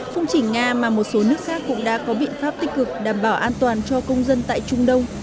phung chỉnh nga mà một số nước khác cũng đã có biện pháp tích cực đảm bảo an toàn cho công dân tại trung đông